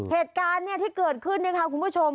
เหตุการณ์ที่เกิดขึ้นนะคะคุณผู้ชม